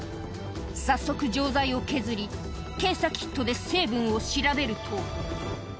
早速、錠剤を削り、検査キットで成分を調べると。